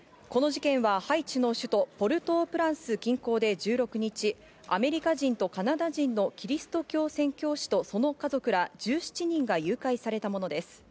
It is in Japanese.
この事件はハイチの首都・ポルトープランス近郊で１６日、アメリカ人とカナダ人のキリスト教宣教師とその家族ら１７人が誘拐されたものです。